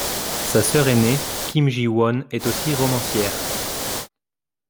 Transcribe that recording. Sa sœur aînée, Kim Ji-won, est aussi romancière.